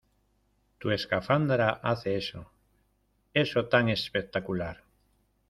Tu escafandra hace eso... Eso tan espectacular .